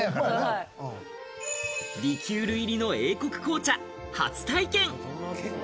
リキュール入りの英国紅茶、初体験。